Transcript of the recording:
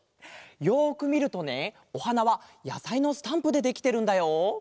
よくみるとねおはなはやさいのスタンプでできてるんだよ。